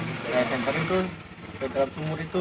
hari hari senter itu ke dalam sumur itu